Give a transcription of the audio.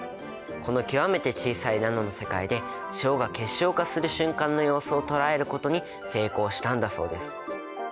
この極めて小さいナノの世界で塩が結晶化する瞬間の様子を捉えることに成功したんだそうです。